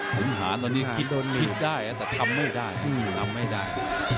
ผมหาตอนนี้คิดได้แต่ทำไม่ได้